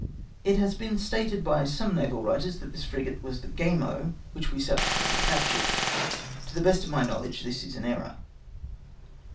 It has been stated by some naval writers that this frigate was the Gamo, which we subsequently captured. To the best of mv knowledije this is an error.